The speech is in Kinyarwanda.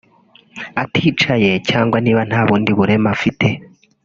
aticaye cyangwa niba nta bundi burema afite